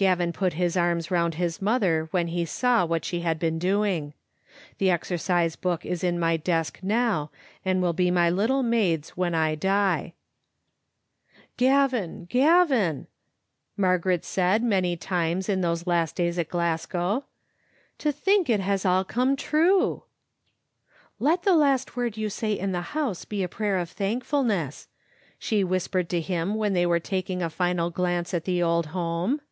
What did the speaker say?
Gavin put his arms round his mother when he saw what she had been doing. The exercise book is in my desk now, and will be my little maid's when I die. Digitized by VjOOQ IC 16 Qbe Xtttle Mnistct. "Gavin, Gavin," Margaret said many cimes in those last days at Glasgow, "to think it has all come true!" " Let the last word you say in the house be a prayer of thankfulness," she whispered to him when they were taking a final glance at the old home.